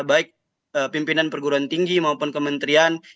baik pimpinan perguruan tinggi maupun kementerian